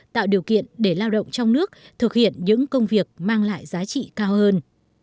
tạo điều kiện để lao động trong nước thực hiện những công việc mang lại giá trị cao hơn